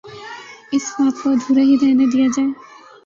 اس خواب کو ادھورا ہی رہنے دیا جائے۔